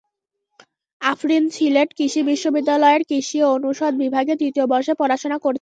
আফরিন সিলেট কৃষি বিশ্ববিদ্যালয়ের কৃষি অনুষদ বিভাগে তৃতীয় বর্ষে পড়াশোনা করছেন।